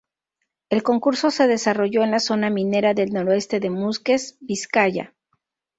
El concurso se desarrolló en la zona minera del noroeste de Musques, Vizcaya.